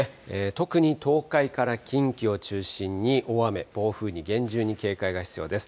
特に東海から近畿を中心に、大雨、暴風に厳重に警戒が必要です。